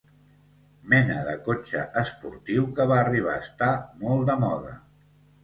Mena de cotxe esportiu que va arribar a estar molt de moda.